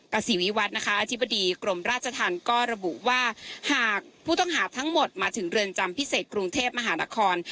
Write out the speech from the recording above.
กษีวิวัฒน์นะคะอธิบดีกรมราชธรรมก็ระบุว่าหากผู้ต้องหาทั้งหมดมาถึงเรือนจำพิเศษกรุงเทพมหานคร